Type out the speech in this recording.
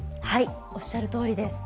おっしゃるとおりです。